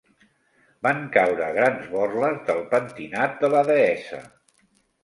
Van caure grans borles del pentinat de la deessa.